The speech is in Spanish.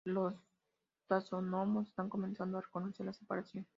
Los taxónomos están comenzando a reconocer la separación.